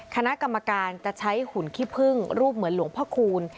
คณะกรรมการจะใช้หุ่นขี้พึ่งรูปเหมือนหลวงพ่อคูณ